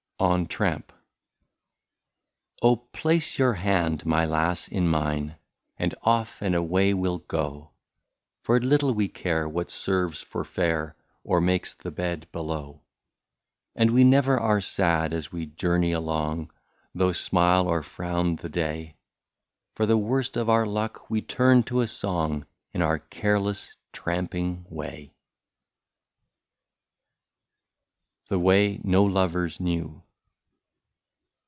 178 ON TRAMP. Oh ! place your hand, my lass, in mine, And off and away we *11 go, For little we care what serves for fare. Or makes the bed below. And we never are sad as we journey along, Though smile or frown the day. For the worst of our luck we turn to a song, In our careless tramping way. 179 THE WAY NO LOVERS KNEW.